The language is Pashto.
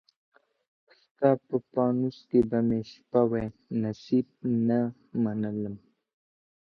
ستا په پانوس کي به مي شپه وای، نصیب نه منلم